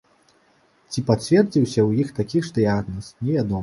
Ці пацвердзіўся ў іх такі ж дыягназ, невядома.